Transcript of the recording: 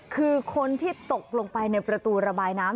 คือคนที่ตกลงไปในประตูระบายน้ำ